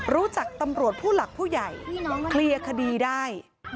รู้จักตำรวจผู้หลักผู้ใหญ่เคลียร์คดีได้